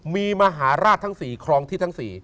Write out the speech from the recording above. มีมหาราชทั้ง๔คลองที่ทั้ง๔